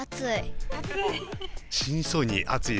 暑い。